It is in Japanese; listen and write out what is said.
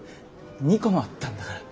２個もあったんだから。